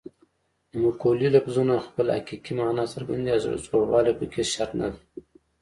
د مقولې لفظونه خپله حقیقي مانا څرګندوي او زوړوالی پکې شرط نه دی